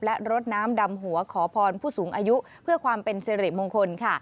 และรดน้ำดำหัวขอพรผู้สูงอายุเพื่อความเป็นสิริมงคลค่ะ